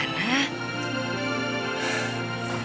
gak boleh gitu arun